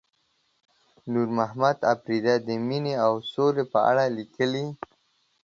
نورمحمد اپريدي د مينې او سولې په اړه ليکلي.